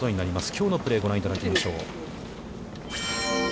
きょうのプレーをご覧いただきましょう。